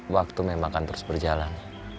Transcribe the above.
waktu memang akan terus berjalan